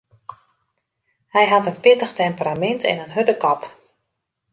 Hy hat in pittich temperamint en in hurde kop.